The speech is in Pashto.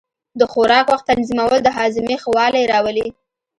د خوراک وخت تنظیمول د هاضمې ښه والی راولي.